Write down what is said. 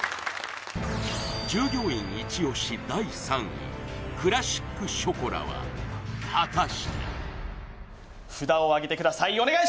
従業員イチ押し第３位クラシックショコラは果たして札をあげてください